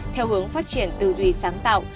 theo hướng phát triển tư duy sáng tạo